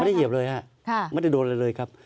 เหยียบเลยฮะไม่ได้โดนอะไรเลยครับ